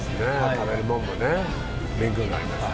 食べるもんもね勉強になりました。